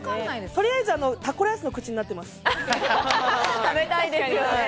取りあえず、タコライスの口になってます。